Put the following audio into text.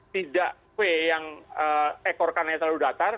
tidak w yang ekor kanannya terlalu datar